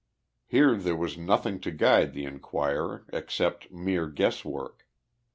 Here there was nothing to guide the in quirer except mere guess work.